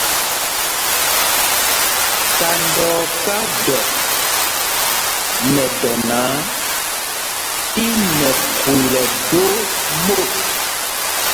Kándɔɔká dɔk nɛ dɔ náǎ, í nɛ khūl ɛdó mot.